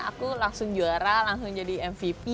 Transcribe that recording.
aku langsung juara langsung jadi mvp